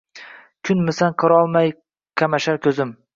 Kunmisan, qarolmay qamashar ko’zim.